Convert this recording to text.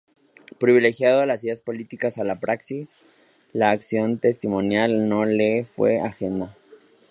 Privilegiando las ideas políticas a la praxis, la acción testimonial no le fue ajena.